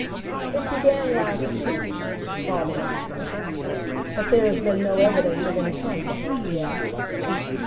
"It began last week," father answered, "but there has been no evidence of any consequence yet."